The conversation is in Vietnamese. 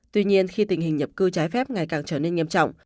tuy nhiên khi tình hình nhập cư trái phép ngày càng trở nên nghiêm trọng